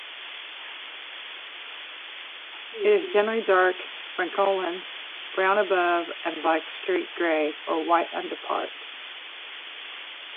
It is a generally dark francolin, brown above and black-streaked grey or white underparts.